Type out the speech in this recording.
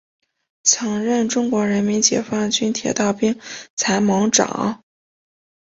曾任中国人民解放军铁道兵参谋长。